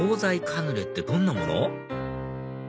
カヌレってどんなもの？